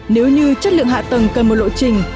nếu như chất lượng hạ tầng cần một lộ trình